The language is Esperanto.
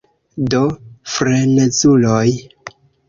Do, frenezuloj.